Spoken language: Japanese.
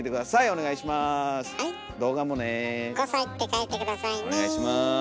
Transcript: お願いします。